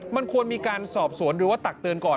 มันควรมีการสอบสวนหรือว่าตักเตือนก่อน